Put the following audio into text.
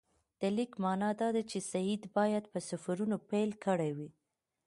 د لیک معنی دا ده چې سید باید په سفرونو پیل کړی وي.